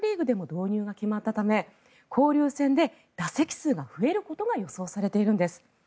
でも導入が決まったため、交流戦で打席数が増えることが予想されているんです。